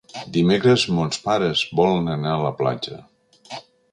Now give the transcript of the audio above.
Dimecres mons pares volen anar a la platja.